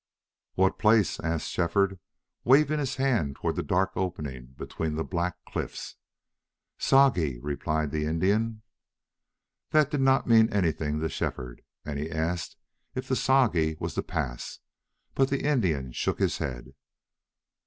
"What place?" asked Shefford, waving his hand toward the dark opening between the black cliffs. "Sagi," replied the Indian. That did not mean anything to Shefford, and he asked if the Sagi was the pass, but the Indian shook his head.